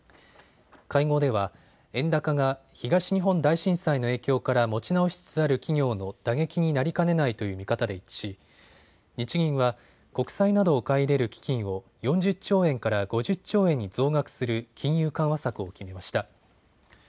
会合では円高が東日本大震災の影響から持ち直しつつある企業の打撃になりかねないという見方で一致し日銀は国債などを買い入れる基金を４０兆円から５０兆円に増額する金融緩和策を決めました。